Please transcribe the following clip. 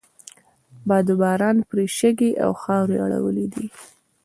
باد و باران پرې شګې او خاورې اړولی دي.